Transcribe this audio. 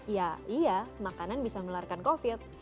ya iya makanan bisa melarikan covid